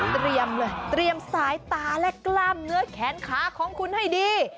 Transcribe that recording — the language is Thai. เตรียมเลยเตรียมสายตาและกล้ามเนื้อแขนขาของคุณให้ดี